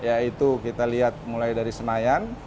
yaitu kita lihat mulai dari senayan